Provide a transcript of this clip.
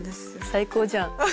最高じゃん。